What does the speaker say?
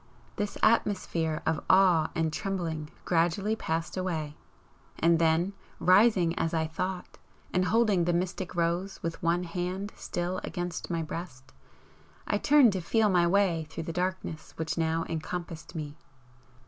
This atmosphere of awe and trembling gradually passed away, and then, rising as I thought, and holding the mystic rose with one hand still against my breast, I turned to feel my way through the darkness which now encompassed me.